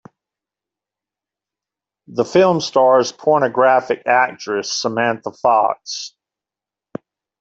The film stars pornographic actress Samantha Fox.